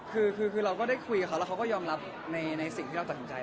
คือเราก็ได้คุยกับเขาแล้วเขาก็ยอมรับในสิ่งที่เราตัดสินใจ